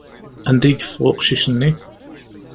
Anda i yeffeɣ weqcic-nni?